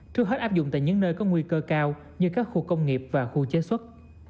trước hết áp dụng tại những nơi có nguy cơ cao như các khu công nghiệp và khu chế xuất